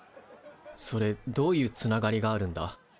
それどういうつながりがあるんだ？